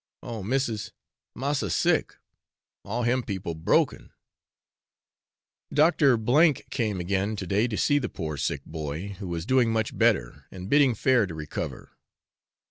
Oh! missis, massa sick, all him people broken!' Dr. H came again to day to see the poor sick boy, who is doing much better, and bidding fair to recover.